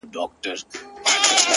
o تالنده برېښنا يې خــوښـــــه ســوېده؛